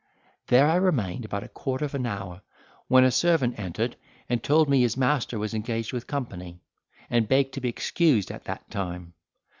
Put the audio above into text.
There I remained about a quarter of an hour, when a servant entered and told me his master was engaged with company, and begged to be excused at that time.